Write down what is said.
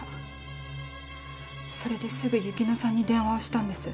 それですぐ雪乃さんに電話をしたんです。